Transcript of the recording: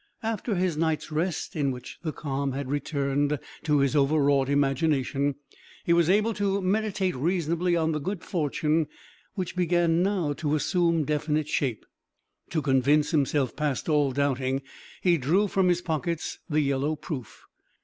After his night's rest, in which the calm had returned to his overwrought imagination, he was able to meditate reasonably on the good fortune which began now to assume definite shape. To convince himself past all doubting, he drew from his pockets the yellow proof.